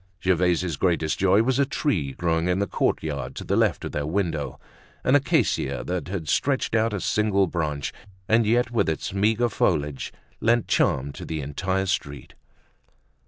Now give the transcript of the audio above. Gervaise's greatest joy was a tree growing in the courtyard to the left of their window, an acacia that stretched out a single branch and yet, with its meager foliage, lent charm to the entire street.